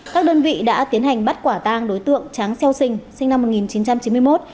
các đơn vị đã tiến hành bắt quả tang đối tượng tráng xeo sình sinh năm một nghìn chín trăm chín mươi một